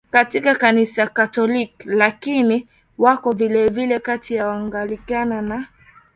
katika Kanisa Katolik Lakini wako vilevile kati ya Waanglikana na